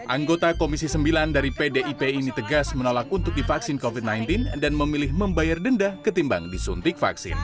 anggota komisi sembilan dari pdip ini tegas menolak untuk divaksin covid sembilan belas dan memilih membayar denda ketimbang disuntik vaksin